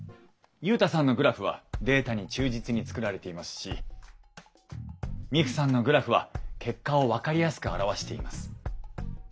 ユウタさんのグラフはデータに忠実に作られていますしミクさんのグラフは結果を分かりやすく表しています。